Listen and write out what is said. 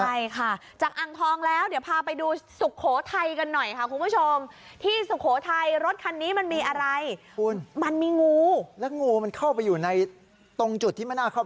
ใช่ค่ะจากอังทองแล้วเดี๋ยวพาไปดูสุโขทัยกันหน่อยค่ะคุณผู้ชม